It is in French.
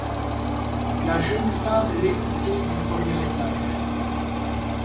La jeune femme l'écoutait du premier étage.